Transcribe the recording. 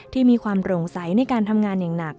ที่มีความโปร่งใสในการทำงานอย่างหนัก